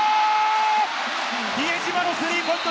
比江島のスリーポイント！